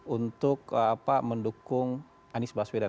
untuk mendukung anies baswedan